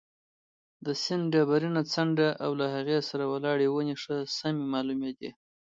د سیند ډبرینه څنډه او له هغې سره ولاړې ونې ښه سمې معلومېدې.